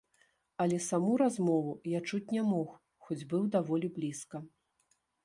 Але саму размову я чуць не мог, хоць быў даволі блізка.